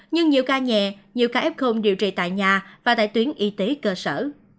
nhưng nhiều ca nhẹ nhiều ca ép không điều trị tại nhà và tại tuyến y tế cơ sở